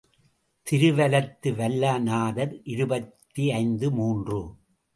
திருவலத்து வல்ல நாதர் இருபத்தைந்து மூன்று.